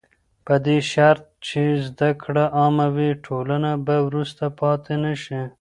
په دې شرط چې زده کړه عامه وي، ټولنه به وروسته پاتې نه شي.